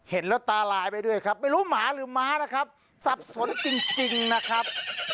เห็นแล้วตาลายไปด้วยครับไม่รู้หมาหรือหมานะครับสับสนจริงนะครับ